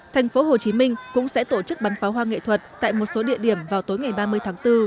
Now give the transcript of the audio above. tp hcm cũng sẽ tổ chức bắn pháo hoa nghệ thuật tại một số địa điểm vào tối ngày ba mươi tháng bốn